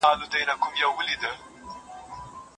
زولنې را څخه تښتي کنه راغلم تر زندانه